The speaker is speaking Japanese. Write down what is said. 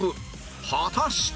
果たして？